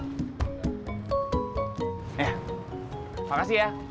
nih makasih ya